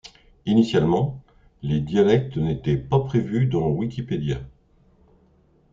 Initialement, les dialectes n'étaient pas prévus dans Wikipédia.